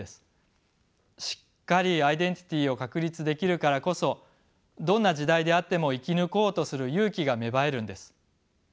しっかりアイデンティティーを確立できるからこそどんな時代であっても生き抜こうとする勇気が芽生えるんです。